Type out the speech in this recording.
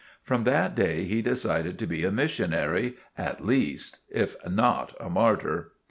From that day he decided to be a missionary at least, if not a martyr.